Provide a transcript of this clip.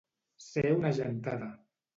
Ser una gentada.